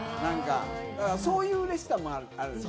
そういう嬉しさもあるし。